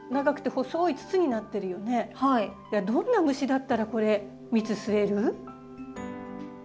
どんな虫だったらこれ蜜吸える？